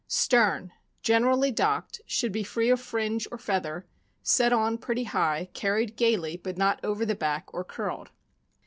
Stern. — Generally docked; should be free of fringe or feather, set on pretty high, carried gaily, but not over the back or curled